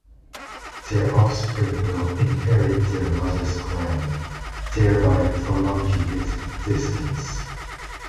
Their offspring will inherit their mother's clan, thereby prolonging its existence.